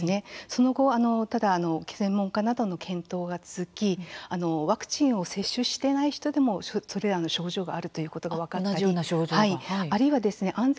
その後、専門家などの検討が続きワクチンを接種していない人でもそれらの症状があるということが分かったり。